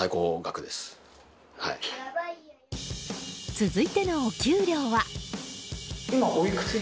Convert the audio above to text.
続いてのお給料は。